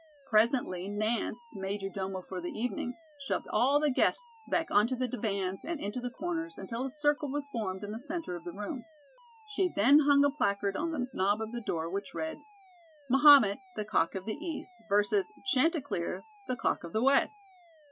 Presently, Nance, major domo for the evening, shoved all the guests back onto the divans and into the corners until a circle was formed in the centre of the room. She then hung a placard on the knob of the door which read: MAHOMET, THE COCK OF THE EAST, vs. CHANTECLER, THE COCK OF THE WEST.